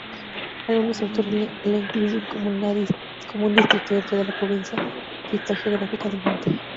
Algunos autores la incluyen como un distrito dentro de la provincia fitogeográfica del monte.